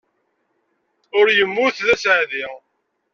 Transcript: Ur yemmut d aseɛdi.